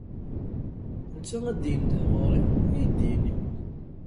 Netta ad d-indeh ɣur-i, ad iyi-d-yini.